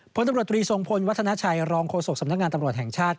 พลตำรวจตรีทรงพลวัฒนาชัยรองโฆษกสำนักงานตำรวจแห่งชาติ